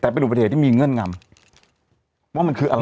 แต่เป็นอุบัติเหตุที่มีเงื่อนงำว่ามันคืออะไร